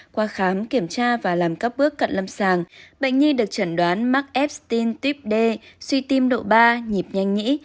qua khám kiểm tra và làm các bước cận lâm sàng bệnh nhi được chẩn đoán mark epstein type d suy tim độ ba nhịp nhanh nhĩ